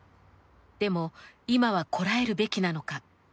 でも今はこらえるべきなのか。